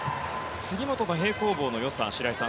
杉本と平行棒の良さ、白井さん